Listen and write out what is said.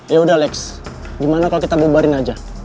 yaudah lex gimana kalau kita bombarin aja